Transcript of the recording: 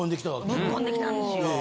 ぶっこんできたんですよ。